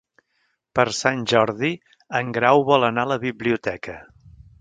Per Sant Jordi en Grau vol anar a la biblioteca.